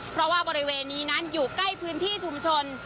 เพราะว่าบริเวณนี้นั้นอยู่ใกล้พื้นที่ชุมชน